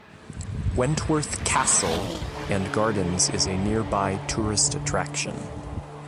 Wentworth Castle and gardens is a nearby tourist attraction.